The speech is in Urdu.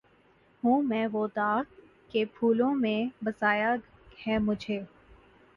ہوں میں وہ داغ کہ پھولوں میں بسایا ہے مجھے